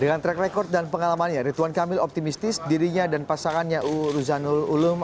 dengan track record dan pengalamannya ridwan kamil optimistis dirinya dan pasangannya uruzanul ulum